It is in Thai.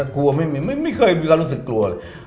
กลัวไม่เคยมีความรู้สึกกลัวเลย